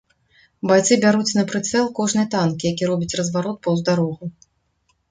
Байцы бяруць на прыцэл кожны танк, які робіць разварот паўз дарогу.